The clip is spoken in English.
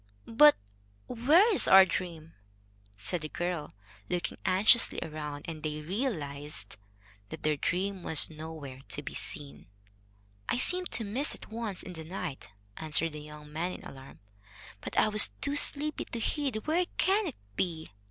"But where is our dream?" said the girl, looking anxiously around. And they realized that their dream was nowhere to be seen. "I seemed to miss it once in the night," answered the young man in alarm, "but I was too sleepy to heed. Where can it be?"